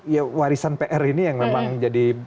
ya warisan pr ini yang memang jadi